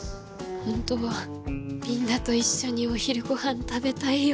ほんとはみんなと一緒にお昼ごはん食べたいよ。